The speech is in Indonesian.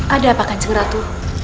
ada apa kan segera tu